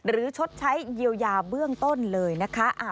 ชดใช้เยียวยาเบื้องต้นเลยนะคะ